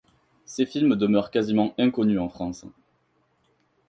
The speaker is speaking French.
Ces films demeurent quasiment inconnus en France.